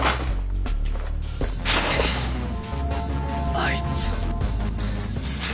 あいつッ！